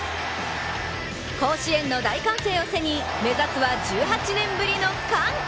甲子園の大歓声を背に、目指すは１８年ぶりの歓喜。